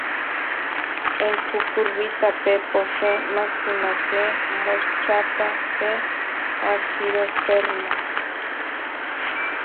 En "Cucurbita pepo, C. maxima, C. moschata, C. argyrosperma".